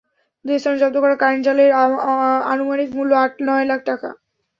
দুই স্থানে জব্দ করা কারেন্ট জালের আনুমানিক মূল্য আট-নয় লাখ টাকা।